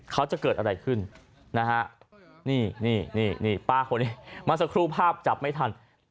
เขาจะเกิดอะไรขึ้นนะฮะนี่นี่นี่นี่ป้าคนนี้มาสกรูฟภาพจับไม่ทัน